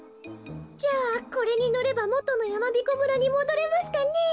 じゃあこれにのればもとのやまびこ村にもどれますかねえ。